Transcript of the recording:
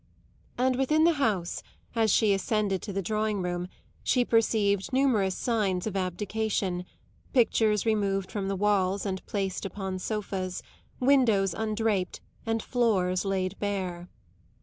And within the house, as she ascended to the drawing room, she perceived numerous signs of abdication; pictures removed from the walls and placed upon sofas, windows undraped and floors laid bare.